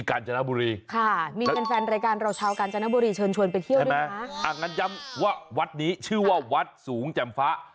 อ่ะงั้นย้ำว่าวัดนี้ชื่อว่าวัดสูงแจ่มฟ้า